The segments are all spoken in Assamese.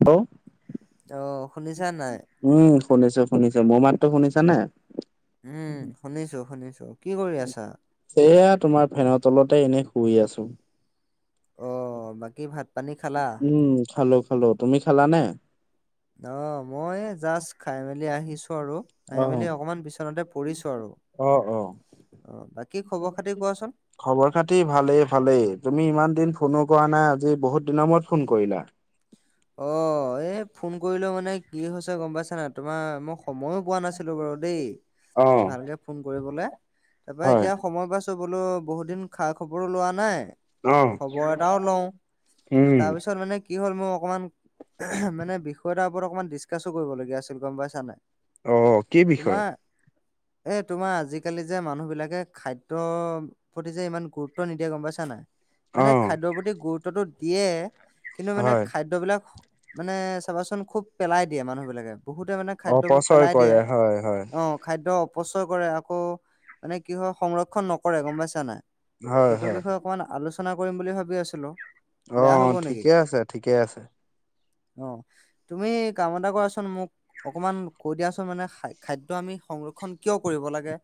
হেল্ল', অ', শুনিছা নাই? উম, শুনিছোঁ, শুনিছোঁ। মোৰ মাতটো শুনিছা নে? উম, শুনিছোঁ, শুনিছোঁ। কি কৰি আছা? এইয়া তোমাৰ ফেনৰ তলতে এনেই শুই আছোঁ। অ', বাকী ভাত পানী খালা? উম, খালোঁ, খালোঁ। তুমি খালানে? অ', মই এই জাষ্ট খাই-মেলি আহিছোঁ আৰু অ আহি-মেলি অকমান বিচনাতে পৰিছোঁ আৰু। অ, বাকী খবৰ-খাতি কোৱাচোন। খবৰ-খাতি ভালেই, ভালেই। তুমি ইমান দিন ফোনো কৰা নাই। আজি বহুত দিনৰ মূৰত ফোন কৰিলা। অ', এই ফোন কৰিলোঁ মানে কি হৈছে গম পাইছা না, তোমাৰ মই সময়ো পোৱা নাছিলোঁ বাৰু দেই, অ ভালকে ফোন কৰিবলে। তাৰপাই হয় এতিয়া সময় পাইছোঁ। বোলো বহুত দিন খা-খবৰ ও লোৱা নাই। অ খবৰ এটাও লওঁ, উম তাৰপিছত মানে কি হ'ল, মোৰ অকণমান মানে বিষয় এটাৰ ওপৰত অকমান ডিছকাছো কৰিবলগীয়া আছিল। গম পাইছা নাই। অ, কি বিষয়? তোমাৰ এ, তোমাৰ আজিকালি যে মানুহ বিলাকে খাদ্য প্ৰতি যে ইমান গুৰুত্ব নিদিয়ে গম পাইছা নাই। অ মানে, খাদ্যৰ প্ৰতি গুৰুত্বটো দিয়ে, কিন্তু মানে হয় খাদ্য বিলাক মানে চাবাচোন, খুব পেলাই দিয়ে মানুহ বিলাকে। বহুতে মানে খাদ্যবোৰ অপচয় পেলাই দিয়ে, কৰে হয় হয় অ খাদ্য অপচয় কৰে আকৌ মানে কি হয় সংৰক্ষণ নকৰে গম পাইছা নাই। হয় সেইটো হয় বিষয়ে অকণমান আলোচনা কৰিম বুলি ভাবি আছিলোঁ। অ', ঠিকে আছে, ঠিকে আছে। অ', তুমি কাম এটা কৰাচোন মোক অকমান কৈ দিয়াচোন মানে খাদ্য আমি সংৰক্ষণ কিয় কৰিব লাগে?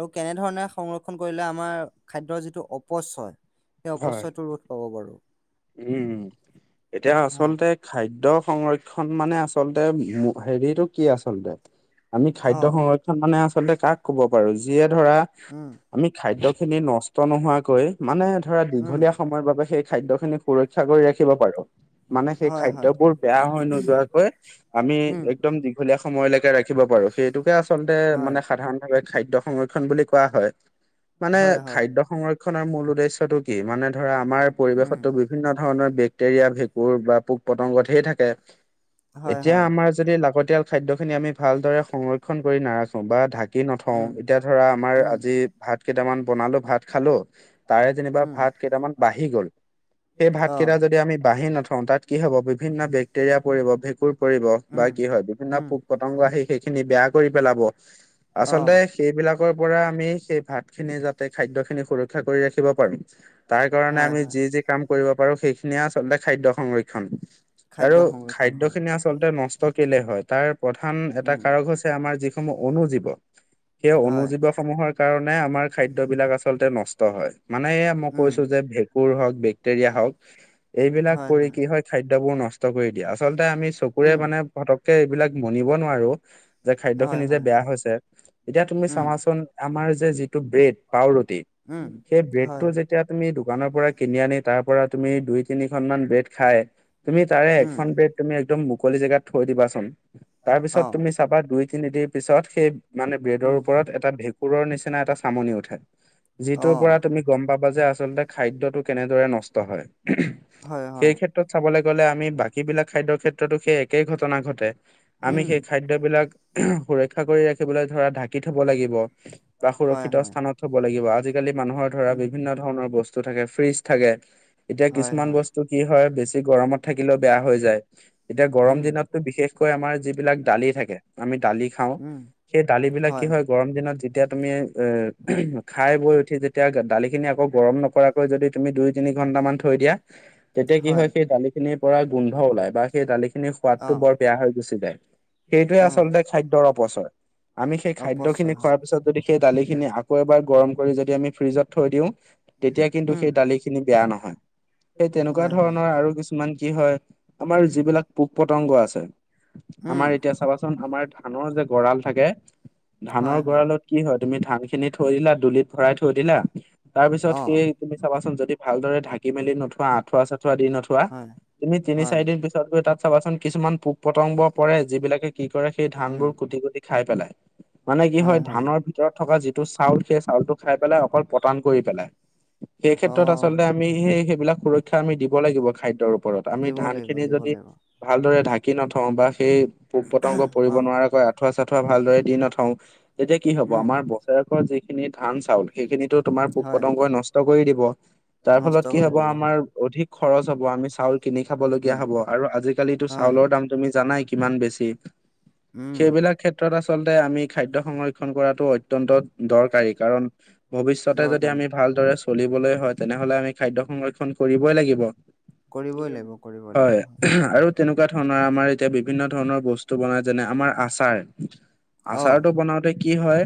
আৰু কেনেধৰণে সংৰক্ষণ কৰিলে আমাৰ খাদ্যৰ যিটো অপচয় সেই হয় অপচয়টো ৰোধ পাব বাৰু? উম, এতিয়া হয় আচলতে খাদ্য সংৰক্ষণ মানে আচলতে হেৰিটো কি আচলতে? আমি খাদ্য অ', সংৰক্ষণ মানে আচলতে কাক ক'ব পাৰোঁ‌? যিয়ে ধৰা উম, আমি খাদ্য খিনি নষ্ট নোহোৱাকৈ মানে ধৰা উম। দীঘলীয়া সময়ৰ বাবে সেই খাদ্যখিনি ৰক্ষা কৰি ৰাখিব পাৰোঁ‌, মানে সেই হয়, হয়, খাদ্যবোৰ বেয়া হৈ নোযোৱাকৈ আমি উম, একদম দীঘলীয়া সময়লেকে ৰাখিব পাৰো সেইটোকে আচলতে হয়, মানে সাধাৰণভাৱে খাদ্য সংৰক্ষণ বুলি কোৱা হয়। মানে হয়, হয়, খাদ্য সংৰক্ষনৰ মূল উদ্দেশ্যটো কি? মানে ধৰা আমাৰ উম, পৰিৱেশত বিভিন্ন ধৰণৰ বেক্টেৰিয়া ভেঁকুৰ বা পোক পতংগ ধেই থাকে হয়, এতিয়া হয়, আমাৰ যদি লাগতিয়াল খাদ্য খিনি আমি ভালদৰে সংৰক্ষন কৰি নাৰাখোঁ‌ বা ঢাকি নথওঁ উম, ধৰা আমাৰ উম, আজি ভাত কেইটামান বনালোঁ‌ ভাত খালোঁ‌ তাৰে যেনিবা উম, ভাত কেইটামান বাঢ়ি গ'ল সেই অ', ভাতকেইটা যদি আমি বঢ়ি নথওঁ তাত কি হ'ব বিভিন্ন বেক্টেৰিয়া পৰিব, ভেঁকুৰ পৰিব বা উম, কি হয়? বিভিন্ন উম, পোক, পতংগ, আহি সেইখিনি বেয়া কৰি পেলাব আচলতে অ', সেইবিলাকৰ পৰা আমি সেই ভাতখিনি যাতে খাদ্যখিনি সুৰক্ষা কৰি ৰাখিব পাৰিম তাৰ কাৰণে হয়, আমি হয়, যি যি কাম কৰিব পাৰোঁ‌, সেইখিনিয়ে আচলতে খাদ্য সংৰক্ষণ। খা আৰু খাদ্যখিনি আচলতে নষ্ট কেলে হয় তাৰ প্ৰধান এটা উম, কাৰক হৈছে আমাৰ যিসমূহ অনুুজীৱ [unintelligible] অনু জীৱসমূহৰ কাৰণে আমাৰ খাদ্যবিলাক আচলতে নষ্ট হয়। মানে মই উম, কৈছো যে, ভেঁকুৰ হওক, বেক্টেৰিয়া হওক, এইবিলাক হয়, পৰি হয়, কি হয় খাদ্যবোৰ নষ্ট কৰি দিয়ে, আচলতে আমি চকুৰে উম। মানে পতককে এইবিলাক মনিব নোৱাৰোঁ‌। যে খাদ্য হয় খিনি যে হয় বেয়া হৈছে। এতিয়া তুমি উম চাবাচোন আমাৰ যে যিটো ব্ৰেড, পাওৰুটি উম সেই ব্ৰেডটো হয় যে তেতিয়া তুমি দোকানৰ পৰা কিনি আনি তাৰ পৰা তুমি দুই তিনিখনমান ব্ৰেড খাই তুমি তাৰে উম এখন ব্ৰেড তুমি একদম মুকলি জেগাত থৈ দিবাচোন। তাৰ পিছত অ তুমি চাবা দুই তিনিদিনৰ পিছত সেই মানে ব্ৰেডৰ উম ওপৰত এটা ভেঁকুৰৰ নিচিনা এটা চামনি উঠে, অ যিটোৰ পৰা তুমি গম পাবা যে আচলতে খাদ্যটো কেনেদৰে নষ্ট হয়, হয় সেই হয় ক্ষেত্ৰ ক্ষেত্ৰত চাবলে গ'লে আমি বাকী বিলাক খাদ্যৰ ক্ষেত্ৰতো সেই একেই ঘটনা ঘটে। আমি উম সেই খাদ্যবিলাক সুৰক্ষা কৰি ৰাখিবলৈ ধৰা ঢাকি থ'ব লাগিব। বা হয় সুৰক্ষিত হয় স্থানত থ'ব লাগিব, আজিকালি মানুহৰ ধৰা উম বিভিন্ন ধৰণৰ বস্তু থাকে, ফ্ৰিজ থাকে। এতিয়া হয় কিছুমান হয় বস্তু কি হয়, বেছি গৰমত থাকিলেও বেয়া হৈ যায়। এতিয়া গৰম উম দিনতো বিশেষকৈ আমাৰ যিবিলাক দালি থাকে, আমি দালি খাওঁ উম সেই দালিবিলাক কি হয় গৰম দিনত যেতিয়া তুমি এ খাই বৈ উঠি যেতিয়া তেতিয়া দালিখিনি আকৌ গৰম নকৰাকৈ যদি তুমি দুই তিনি ঘন্টামান থৈ দিয়া তেতিয়া কি হয়, সেই দালিখিনিৰ পৰা গোন্ধ ওলাই বা সেই দালিখিনিৰ অ সোৱাদটো বৰ বেয়া হৈ গুচি যায়, সেইটোৱে অ আচলতে খাদ্যৰ অপচয়। আমি সেই অপচয় খাদ্যখিনি হয় খোৱাৰ পিছত যদি সেই দালিখিনি আকৌ এবাৰ গৰম কৰি যদি আমি ফ্ৰিজত থই দিওঁ তেতিয়া কিন্তু উম সেই দালিখিনি বেয়া নহয়। সেই তেনেকুৱা হয় হয় ধৰণৰ আৰু কিছুমান কি হয়, আমাৰ যিবিলাক পোক পতংগ আছে উম আমাৰ এতিয়া চাবাচোন আমাৰ ধানৰ যে গঁড়াল থাকে ধানৰ হয় হয় গঁড়ালত কি হয়, তুমি ধান খিনি থৈ দিলা, দুলিত ভৰাই থৈ দিলা তাৰপিছত অ সেই তুমি চাবাচোন যদি ভালদৰে ঢাকি মেলি নোথোৱা আঠুৱা -চাঠুৱা দি নোথোৱা হয় তুমি তিনি হয় চাৰিদিন- দুদিন পিছত গৈ‌ তাত চাবাচোন কিছুমান পোক - প্ৰতংগ পৰে যিবিলাকে কি কৰে সেই উম ধানবোৰ কুটি কুটি খাই পেলাই মানে কি হয় ধানৰ ভিতৰত থকা যিটো চাউল সেই চাউলটো খাই পেলাই অকল পতান কৰি পেলাই। অ। এইক্ষেত্ৰত আচলতে আমি সেই সেইবিলাক সুৰক্ষা আমি দিব লাগিব খাদ্যৰ ওপৰত আমি দিব ধান লাগিব খিনি দিব যদি লাগিব ভালদৰে ঢাকি নথওঁ বা সেই পোক -পতংগ পৰিব অ নোৱাৰাকৈ আঠুৱা চাঠুৱা ভালদৰে দি নথওঁ। তেতিয়া কি হ'ব উম আমাৰ বছৰেকৰ যিখিনি ধান- চাউল সেইখিনিতো তোমাৰ পোক হয় -পতংগই নষ্ট কৰি দিব। তাৰ নষ্ট ফলত কি কৰি হ'ব দিব হয় আমাৰ অধিক খৰচ হ'ব আমি চাউল কিনি খাবলগীয়া উম হ'ব আৰু আজিকালিটো হয় চাউলৰ দাম- তুমি জানাই কিমান বেছি। উম সেইবিলাক ক্ষেত্ৰত আচলতে আমি খাদ্য সংৰক্ষন কৰাটো অত্যন্ত দৰকাৰী কাৰণ- ভৱিষ্যতে যদি দৰকাৰী আমি ভালদৰে চলিবলৈ হয়, তেনেহলে আমি খাদ্য সংৰক্ষণ কৰিবই লাগিব। কৰিবই লাগিব কৰিবই লাগিব হয় আৰু তেনে তেনকুৱা ধৰণৰ আমাৰ এতিয়া বিভিন্ন ধৰণৰ বস্তু বনাই যেনে আমাৰ আচাৰ অ আচাৰতটো বনাওঁতে কি হয়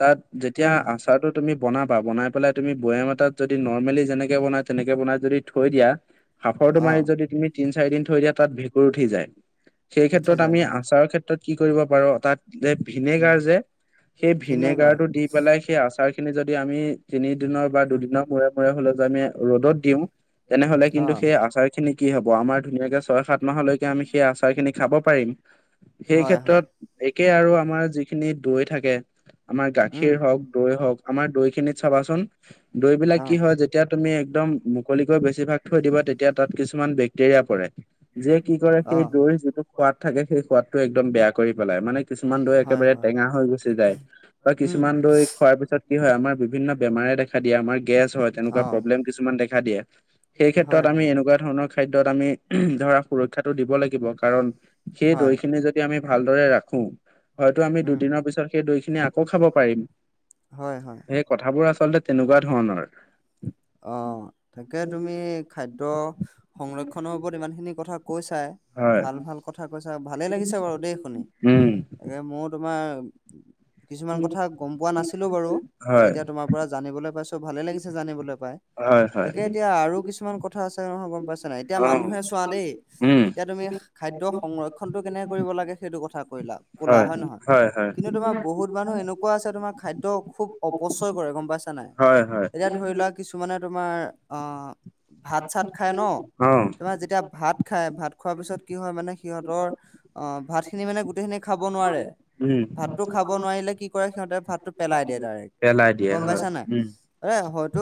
তাত যেতিয়া উম আচাৰটো তুমি বনাবা বনাই পেলাই তুমি বৈয়াম এটাত যদি নৰ্মেলি যেনেকে বনাই তেনেকে বনাই যদি থৈ দিয়া সাঁফৰটো অ মাৰি যদি তুমি তিন -চাৰি দিন থৈ দিয়া তাত ভেঁকুৰ উঠি যায়। উঠি সেইক্ষেত্ৰত যায় আমি হয় আচাৰৰ ক্ষেত্ৰত কি কৰিব পাৰোঁ তাত যে উম ভিনেগাৰ যে সেই ভিনেগাৰ ভিনেগাৰটো দি পেলাই সেই আচাৰ খিনি যদি আমি- তিনিদিনৰ বা উম দুদিনৰ মূৰে মূৰে হলেতো আমি ৰ'দত দিওঁ তেনেহলে অ কিন্তু সেই আচাৰ খিনি কি হ'ব আমাৰ ধুনীয়াকে ছয়- সাত মাহলৈকে আমি সেই আচাৰখিনি খাব পাৰিম। হয় হয় সেইক্ষেত্ৰত একে আৰু আমাৰ যিখিনি দৈ থাকে আমাৰ উম গাখীৰ হওঁক দৈ হওঁক আমাৰ দৈখিনিত চাবাচোন দৈবিলাক অ যেতিয়া তুমি একদম মুকলিকৈ বেছিভাগ থৈ দিবা তেতিয়া তাত কিছুমান বেক্টেৰিয়া পৰে। যে কি কৰে অ সেই দৈৰ যিটো সোৱাদ থাকে সেই সোৱাদটো একদম বেয়া কৰি পেলাই মানে কিছুমান দৈ হয় একেবাৰে হয় টেঙা হৈ গুচি যায় বা উম কিছুমান দৈত খোৱাৰ পিছত কি হয় আমাৰ বিভিন্ন বেমাৰে দেখা দিয়ে, আমাৰ গেছ হয়, তেনেকুৱা অ প্ৰব্লেম কিছুমান দেখা দিয়ে। সেইক্ষেত্ৰত হয় আমি হয় এনেকুৱা ধৰণৰ খাদ্যত আমি ধৰা সুৰক্ষাতটো দিব লাগিব কাৰণ সেই হয় দৈখিনি যদি আমি ভালদৰে ৰাখো হয়তো আমি উম দুদিনৰ পিছত সেই দৈখিনি আকৌ খাব পাৰিম। হয় হয়। সেই কথাবোৰ আচলতে তেনেকুৱা ধৰণৰ। অঁ তাকে তুমি খাদ্য সংৰক্ষণৰ ওপৰত ইমানখিনি কথা কৈছাই। হয় ভাল ভাল কথা কৈছা ভালে লাগিছে বাৰু দেই শুনি উম তাকে মোৰ তোমাৰ কিছুমান কথা গম পোৱা নাছিলো বাৰু হয় এতিয়া তোমাৰ পৰা জানিবলৈ পাইছো ভালে লাগিছে জানিবলৈ। পাই। হয় হয়। তাকে এতিয়া আৰু কিছুমান কথা আছে নহয় গম পাইছে নাই এতিয়া অ', মানুহে চোৱা দেই উম এতিয়া তুমি খাদ্য সংৰক্ষণটো কেনেকে কৰিব লাগে সেইটো কথা কলা কলা হয় নে নহয়? কিন্তু তোমাৰ বহুত মানুহ এনেকুৱা আছে তোমাৰ খাদ্য খুব অপচয় কৰে গম পাইছা নে নাই? হয় হয় এতিয়া ধৰি লোৱা কিছুমানে তোমাৰ আহ ভাত চাত খাই ন? অ', তোমাৰ যেতিয়া ভাত খাই ভাত খোৱাৰ পিছত কি হয় মানে সিহঁতৰ, অ ভাত খিনি মানে গোটেই খিনি খাব নোৱাৰে। উম ভাতটো খাব নোৱাৰিলে কি কৰে সিহঁতে ভাতটো পেলাই দিয়ে ডাইৰেক্ট, পেলাই দিয়ে গম হয় পাইছা নাই? উম এ হয়তো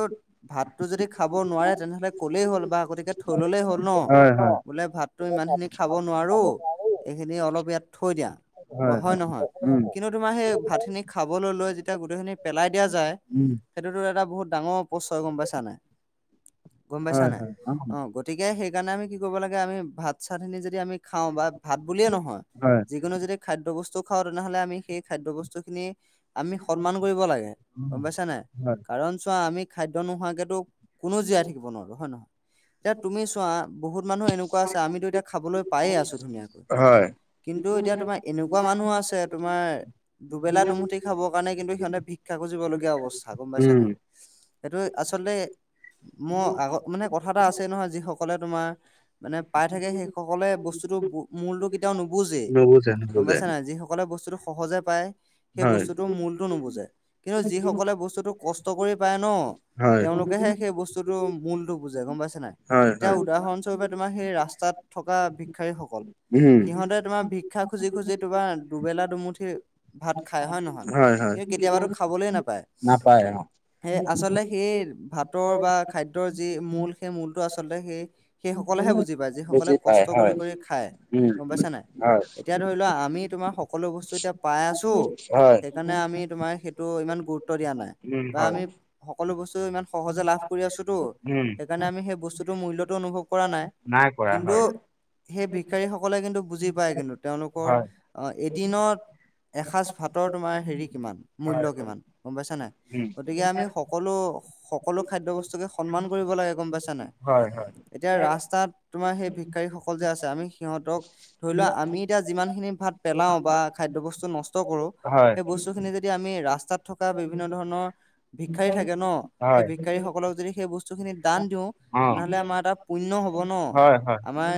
ভাতটো যদি খাব নোৱাৰে তেনেহ'লে ক'লেই হ'ল বা গতিকে থৈ ললেই হ'ল ন, হয় হয় বোলে ভাতটো ইমানখিনি খাব নোৱাৰো এইখিনি অলপ ইয়াত থৈ দিয়া। অ হয় নহয়? কিন্তু তোমাৰ সেই ভাতখিনি খাবলৈ লৈ যেতিয়া গোটেইখিনি পেলাই দিয়া যায় উম সেইটোতো এটা বহুত ডাঙৰ অপচয় গম পাইছা নাই, গম পাইছা হয় নাই? হয় অ গতিকে সেইকাৰণে আমি কি কৰিব লাগে আমি ভাত চাতখিনি যদি আমি খাওঁ বা ভাত বুলিয়ে নহয় হয় যিকোনো যদি খাদ্য বস্তু খাওঁ তেনেহলে আমি সেই খাদ্যবস্তু খিনি আমি সন্মান কৰিব লাগে গম পাইছা নাই? কাৰণ চোৱা আমি খাদ্য নোহোৱাকেতো কোনো জীয়াই থাকিব নোৱাৰো, হয় নহয়? এতিয়া তুমি চোৱা বহুত মানুহ এনেকুৱা আছে আমিতো এতিয়া খাবলৈ পায়ে আছো ধুনীয়াকৈ হয় হয়, কিন্তু এতিয়া তোমাৰ এনেকুৱা মানুহ আছে তোমাৰ দুবেলা দুমুঠি খাবৰ কাৰণে কিন্তু সিহঁতে ভি ক্ষা খুজিবলগীয়া অৱস্থা, গম পাইছা উম নাই? সেইটো আচলতে, মোৰ আগত মানে কথা এটা আছেই নহয় যিসকলে তোমাৰ মানে পাই থাকে সেইসকলে বস্তুতটো মূলতটো তেওঁ নুবুজেই নুবুজে গম নুবুজে পাইছা নাই? যি সকলে বস্তুটো সহজে পায় সেই হয় বস্তুটোৰ মূলতটো নুবুজে কিন্তু যিসকলে বস্তুটো কষ্ট কৰি পায় ন, হয় তেওঁলোকেহে সেই বস্তুটোৰ মূলটো বুজে গম পাইছে নাই? হয় এতিয়া হয় উদাহৰণস্বৰূপে তোমাৰ সেই ৰাস্তাত থকা ভিক্ষাৰীসকল, উম সিহঁতে তোমাৰ ভিক ক্ষা খুজি খুজি তোমাৰ দুবেলা দুমুঠি ভাত খাই হয় নহয়? কিন্তু কেতিয়াবাতো খাবলে নাপায়, নাপায় অ সেই আচলতে সেই ভাতৰ বা খাদ্যৰ যি মূল সেই মূলটো আচলতে সেই সেইসকলেহে বুজি পায়, যিসকলে বুজি পায় কষ্ট হয় কৰি কৰি খায় উম গম পাইছাঁ নাই? হয় এতিয়া ধৰি লোৱা আমি তোমাৰ সকলো বস্তু এতিয়া পাই আছো, হয় সেইকাৰণে আমি তোমাৰ সেই টো ইমান গুৰুত্ব দিয়া নাই। উম, বা হয়। আমি সকলো বস্তু ইমান সহজে লাভ কৰি আছোতো, উম সেইকাৰণে আমি সেই বস্তুতৰ মূল্যতটো অনুভৱ ক কৰা নাই। কৰা কিন্তু হয় সেই ভিক্ষাৰীসকলে কিন্তু বুজি পায় কিন্তু তেওঁলোকৰ হয় অ এদিনত, এসাঁজ ভাতৰ তোমাৰ হেৰি কিমান মূল্য হয় কিমান গম পাইছা নাই? উম গতিকে আমি সকলো সকলো খাদ্য বস্তুকে সন্মান কৰিব লাগে গম পাইছা নাই? হয় হয় এতিয়া ৰাস্তাত তোমাৰ সেই ভিক্ষাৰীসকল যে আছে, আমি সিহঁতক ধৰি লোৱা আমি এতিয়া যিমান খিনি ভাত পেলাও বা খাদ্য বস্তু নষ্ট কৰো হয় সেই বস্তুখিনি যদি আমি ৰাস্তাত থকা বিভিন্ন ধৰণৰ ভিক্ষাৰী থাকে ন? সেই হয় ভিক্ষাৰীসকলক যদি সেই বস্তুখিনি দান দিওঁ অ তেনেহলে আমাৰ এটা পুণ্য হব ন? হয় হয় আমাৰ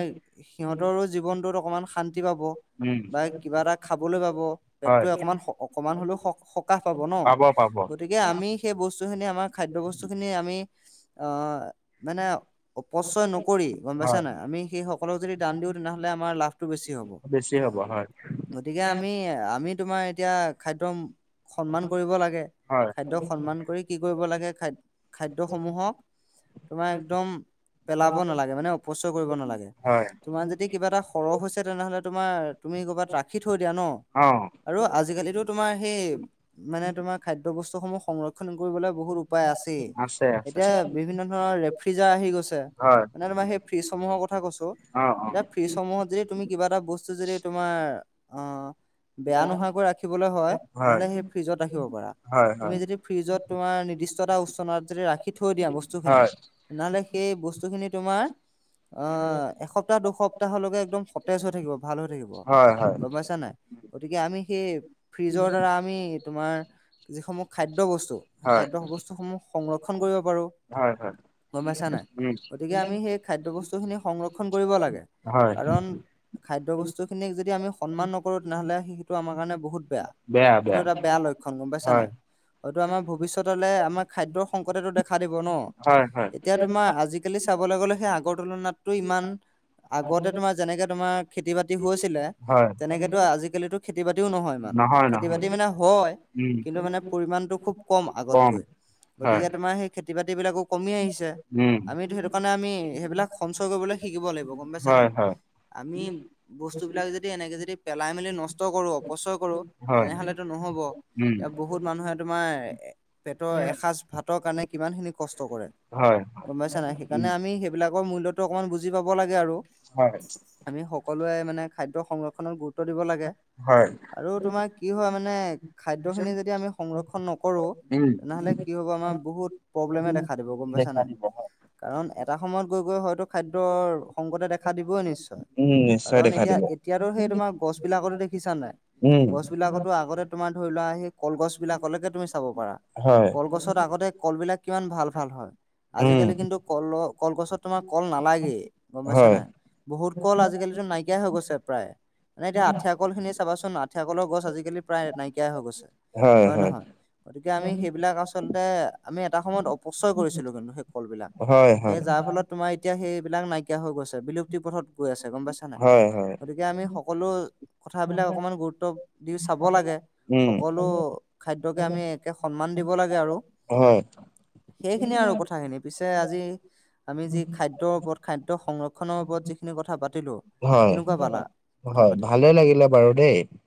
সিহঁতৰো জীৱনটোত অকনমান শান্তি পাব উম বা কিবা এটা খাবলৈ পাব। হয় পেটটোৱে অকমান -অকমান হলেও সকাহ পাব ন? গতিকে আমি সেই বস্তুখিনি আমাৰ খাদ্য বস্তুখিনি আমি আহ মানে অপচয় নকৰি, গম পাইছা হয় নাই? আমি সেইসকলক যদি দান দিওঁ তেনেহলে আমাৰ লাভটো বেছি হ'ব। বেচি হ'ব হয়। গতিকে আমি -আমি তোমাৰ এতিয়া খাদ্যক সন্মান কৰিব লাগে, হয় খাদ্য সন্মান কৰি, কি কৰিব লাগে খাদ, খাদ্যসমূহক তোমাৰ একদম পেলাব নালাগে, মানে অপচয় কৰিব নালাগে। হয় তোমাৰ যদি কিবা এটা সৰহ হৈছে, তেনেহ'লে তোমাৰ তুমি ক'ৰবাত ৰাখি থৈ দিয়া ন'। অ'। আৰু আজিকালিতো তোমাৰ সেই মানে তোমাৰ খাদ্য বস্তুসমূহ সংৰক্ষ ক্ষণ কৰিবলে বহুত উপায় আছেই, আছে আছে এতিয়া বিভিন্ন ধৰণৰ ৰেফ্ৰিজাৰ আহি গৈছে। হয় মানে তোমাৰ সেই ফ্ৰিজসমূহৰ কথা কৈছোঁ, অ অ যে ফ্ৰিজসমূহত যদি তুমি কিবা এটা বস্তু যদি তোমাৰ আহ বেয়া নোহোৱাকৈ ৰাখিবলৈ হয়, নহলে সেই ফ্ৰিজত ৰাখিব পাৰা, হয় তুমি হয় যদি ফ্ৰিজত তোমাৰ নিৰ্দিষ্টটা উষ্ণতাত যদি ৰাখ সি থৈ দিয়া বস্তুখিনি, হয় নহ'লে সেই বস্তুখিনি তোমাৰ অহ এসপ্তাহ দুসপ্তাহলৈকে একদম সতেজ হৈ থাকিব ভাল হৈ থাকিব, হয় হয় গম পাইছা নাই? গতিকে আমি সেই ফ্ৰিজৰ দ্বাৰা আমি তোমাৰ যিসমূহ খাই খাদ্য বস্তু, হয় খাদ্য বস্তুসমূহ সংৰক্ষণ কৰিব পাৰোঁ। হয়, হয়। গম পাইছা নাই, উম গতিকে আমি সেই খাদ্য বস্তুখিনি সংৰক্ষণ কৰিব লাগে, হয় কাৰণ খাদ্য বস্তুখিনিক যদি আমি সন্মান নকৰোঁ তেনেহ'লে সেইটো আমাৰ কাৰণে বহুত বেয়া। সেইটো এটা বেয়া লক্ষণ, গম পাইছা হয় নাই? হয়তটো আমাৰ ভৱিষ্যতলে আমাৰ খাদ্যৰ সংকতেটো দেখা দিব ন'। হয় হয় এতিয়া তোমাৰ আজিকালি চাবলে গলে সেই আগৰ তুলনাতটো ইমান আগতে তোমাৰ যেনেকে তোমাৰ খেতি বাতি হৈছিলে হয় তেনেকেতো আজিকালিতো খেতি বাতিও নহয় ইমান, খেতি বাতি মানে হয়। উম, [unintelligible] তো খুব কম আগতকৈ, হয় গতিকে তোমাৰ সেই খেতি বাতি বিলাকো কমি আহিছে, উম আমিতো সেইটো কাৰণে আমি সেইবিলাক সঞ্চয় কৰিবলৈ শিকিব লাগিব, গম পাইছা নাই? হয় হয় আমি বস্তু বিলাক যদি এনেকে যদি পেলাই মেলি নষ্ট কৰোঁ, অপচয় কৰোঁ। হয় তেনেহলেতো নহব। উম বহুত মানুহে তোমাৰ পেটৰ এসাঁজ ভাতৰ কাৰণে কিমানখিনি কষ্ট কৰে। হয় গম পাইছা নাই, উম সেইকাৰণে আমি সেইবিলাকৰ মূল্যটো অকনমান বুজি পাব লাগে আৰু। হয়। আমি সকলোৱে মানে খাদ্য সংৰক্ষণৰ গুৰুত্ব গুৰুত্ব দিব লাগে, হয় আৰু তোমাৰ কি হয় মানে খাদ্য খিনি যদি আমি সংৰক্ষন নকৰোঁ, উম তেনেহলে কি হ'ব, আমাৰ বহুত প্ৰব্লেম দেখা দিব, গম পাইছা দেখা নাই? দিব হয় কাৰণ এটা সময়ত গৈ-গৈ হয়তো খাদ্যৰ সংকটে দেখা দিবই নিশ্চয়। উম নিশ্চয় কাৰণ দেখা এতিয়া, দিব এতিয়াতো সেই তোমাৰ গছ বিলাকতো দেখিছা নাই, উম গছ বিলাকতো আগতে তোমাৰ ধৰি লোৱা সেই কল গছ বিলাকলেকে তুমি চাব পাৰা, হয় কল গছ আগতে কল বিলাক কি ভাল-ভাল হয়, আজি উম কালি কিন্তু কল, কলগছত তোমাৰ কল নালাগেই, গম পাইছা হয় নাই? বহুত কল আজিকালিতো নাইকিয়াই হৈ গৈছে প্ৰায়। মানে এতিয়া আঠিয়া কল খিনি চাবাচোন, আঠিয়া কলৰ গছ আজিকালি প্ৰায় নাইকিয়াই হৈ গৈছে। হয় নহয়, গতিকে আমি সেইবিলাক আচলতে আমি এটা সময়ত অপচয় কৰিছিলোঁ কিন্তু সেইবোৰ কল বিলাক, হয় সেই হয় যাৰ ফলত তোমাৰ এতিয়া সেইবিলাক নাই কিয়া হৈ গৈছে, বিলুপ্তি পথত গৈ আছে, গম পাইছা নাই? হয় হয় গতিকে আমি সকলো কথাবিলাক অকমান গুৰুত্ব দি চাব লাগে। উম। সকলো খাদ্যকে আমি একে সন্মান দিব লাগে আৰু হয় সেইখিনিয়ে আৰু কথাখিনি। পিছে আজি আমি যি খাদ্যৰ ওপৰত খাদ্য সংৰক্ষণৰ ওপৰত যিখিনি কথা পাতিলোঁ হয়, হয় ভালে লাগিলে বাৰু দেই।